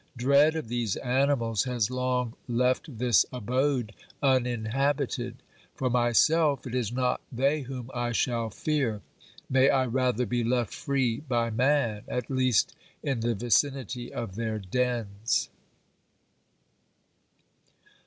Dread of these animals has long left this abode uninhabited. For myself it is not they whom I shall fear. May I rather be left free by man, at least in the vicinity of their dens